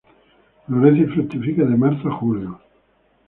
Florece y fructifica de marzo a julio.